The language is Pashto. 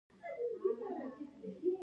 بررسي او نظارت باید منظم او دوامداره وي.